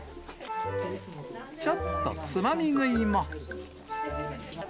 ちょっとつまみ食いも。